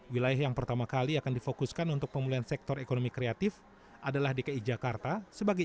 wilayah yang pertama kali akan difokuskan untuk pemulihan sektor ekonomi kreatif adalah dki jakarta sebagai